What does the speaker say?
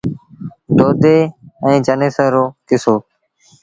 دو دي ائيٚݩ چنيسر رو ڪسو۔